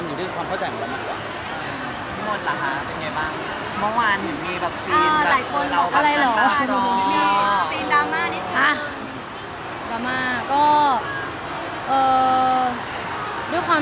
มันอยู่ด้วยความเข้าใจของเรามากกว่า